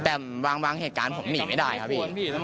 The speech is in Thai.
แต่บางเหตุการณ์ผมหนีไม่ได้ครับพี่